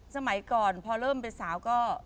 สมัยก่อนพอเริ่มเป็นสาวก็